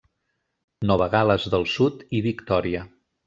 Nova Gal·les del Sud i Victòria.